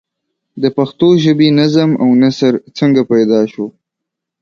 د پښتو ژبې نظم او نثر څنگه پيدا شو؟